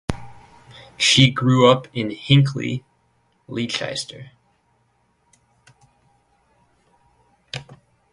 She grew up in Hinckley, Leicestershire.